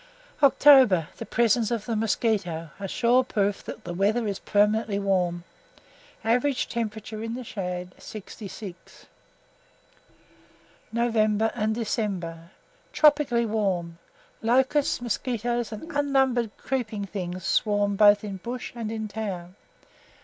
OCTOBER The presence of the mosquito, a sure proof that the weather is permanently warm. Average temperature in the shade, 66. NOVEMBER AND DECEMBER. Tropically warm. Locusts, mosquitos, and unnumbered creeping things swarm both in bush and town.